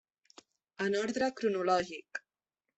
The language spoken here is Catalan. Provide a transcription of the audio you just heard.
En ordre cronològic.